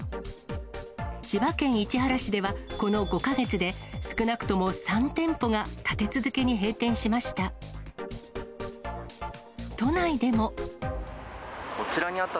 千葉県市原市では、この５か月で少なくとも３店舗が立て続けに閉店しました。